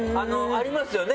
ありますよね